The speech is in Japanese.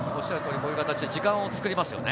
こういう形で時間をつくりますね。